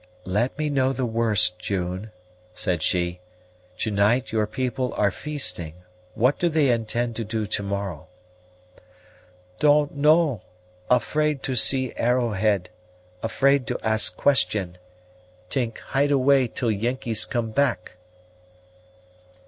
"Let me know the worst, June," said she. "To night your people are feasting; what do they intend to do to morrow?" "Don't know; afraid to see Arrowhead, afraid to ask question; t'ink hide away till Yengeese come back."